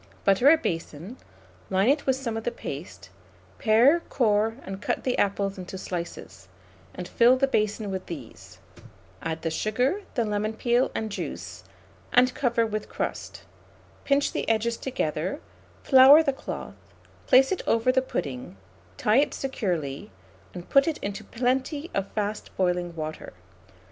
Butter a basin; line it with some of the paste; pare, core, and cut the apples into slices, and fill the basin with these; add the sugar, the lemon peel and juice, and cover with crust; pinch the edges together, flour the cloth, place it over the pudding, tie it securely, and put it into plenty of fast boiling water.